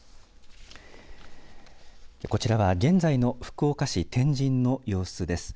こちらは現在の福岡市天神の様子です。